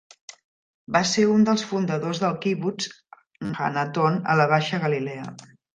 Va ser un dels fundadors del kibbutz Hanaton a la Baixa Galilea.